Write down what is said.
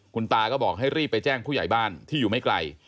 คุณตาก็บอกให้รีบไปแจ้งผู้ใหญ่บ้านที่อยู่ไม่ไกล